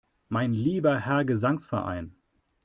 Mein lieber Herr Gesangsverein!